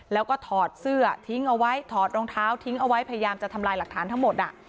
แล้วก็ถอดเสื้อทิ้งเอาไว้ถอดรองเท้าทิ้งเอาไว้พยายามจะทำลายหลักฐานทั้งหมด